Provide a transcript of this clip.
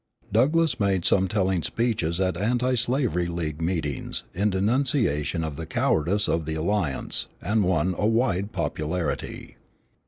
Douglass made some telling speeches at Anti slavery League meetings, in denunciation of the cowardice of the Alliance, and won a wide popularity.